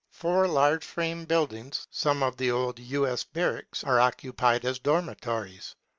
Four large fi:ame buildings, some of the old U. S. barracks, are occupied as dormitories.